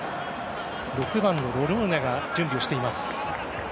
６番のロローニャが準備をしています。